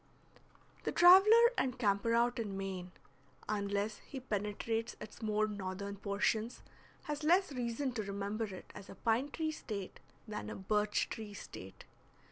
The traveler and camper out in Maine, unless he penetrates its more northern portions, has less reason to remember it as a pine tree State than a birch tree State.